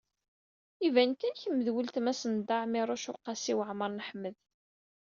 Iban kan kemm d weltma-s n Dda Ɛmiiruc u Qasi Waɛmer n Ḥmed.